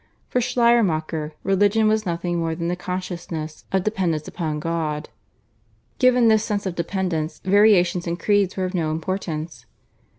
For Schleiermacher religion was nothing more than the consciousness of dependence upon God. Given this sense of dependence, variations in creeds were of no importance.